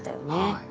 はい。